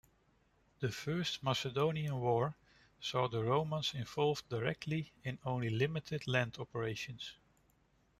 The First Macedonian War saw the Romans involved directly in only limited land operations.